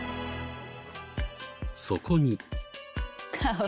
［そこに］